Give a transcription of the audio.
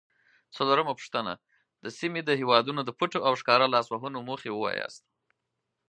څلورمه پوښتنه: د سیمې د هیوادونو د پټو او ښکاره لاسوهنو موخې ووایاست؟